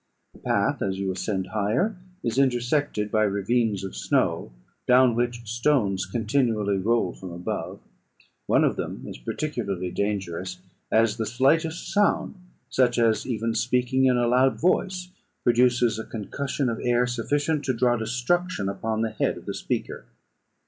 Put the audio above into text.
The path, as you ascend higher, is intersected by ravines of snow, down which stones continually roll from above; one of them is particularly dangerous, as the slightest sound, such as even speaking in a loud voice, produces a concussion of air sufficient to draw destruction upon the head of the speaker.